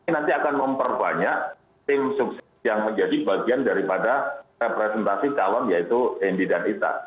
nanti akan memperbanyak tim sukses yang menjadi bagian daripada representasi calon yaitu hendy dan ita